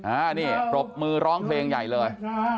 อันนี้ปรบมือร้องเพลงใหญ่เลย